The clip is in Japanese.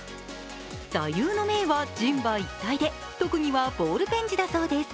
座右の銘は人馬一体で、特技はボールペン字だそうです。